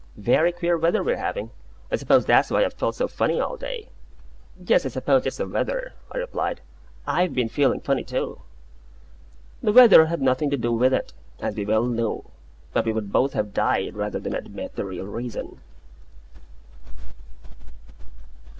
Very queer weather we're having. I suppose that's why I've felt so funny all day." "Yes, I suppose it's the weather," I replied. "I've been feeling funny too." The weather had nothing to do with it, as we well knew. But we would both have died rather than have admitted the real reason.